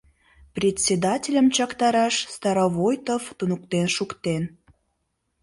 — Председательым чактараш Старовойтов туныктен шуктен.